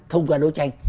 thông qua đấu tranh